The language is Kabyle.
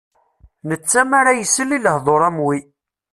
Netta mi ara isel i lehdur am wi.